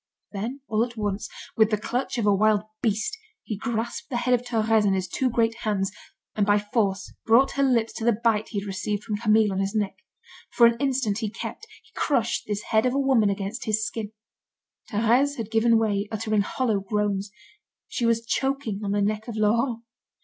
Then, all at once, with the clutch of a wild beast, he grasped the head of Thérèse in his two great hands, and by force brought her lips to the bite he had received from Camille on his neck. For an instant he kept, he crushed, this head of a woman against his skin. Thérèse had given way, uttering hollow groans. She was choking on the neck of Laurent.